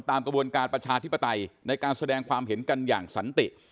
ตามกระบวนการประชาธิปไตยในการแสดงความเห็นกันอย่างสันติ